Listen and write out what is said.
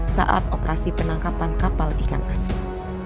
saat operasi penangkapan kapal ikan asing